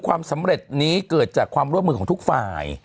ความสำเร็จนี้เกิดจากความร่วมมือของทุกฝ่าย